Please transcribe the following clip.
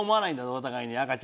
お互いに赤ちゃんは。